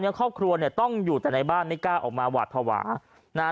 นี้ครอบครัวต้องอยู่แต่ในบ้านไม่กล้าออกมาวาถภาวะถ้า